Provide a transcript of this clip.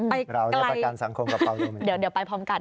ไปใกล้เดี๋ยวไปพร้อมกัน